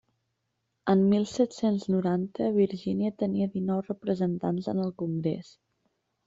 En mil set-cents noranta, Virgínia tenia dinou representants en el Congrés.